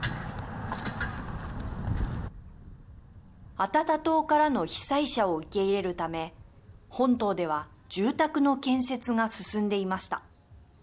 アタタ島からの被災者を受け入れるため本島では住宅の建設が進んでいました。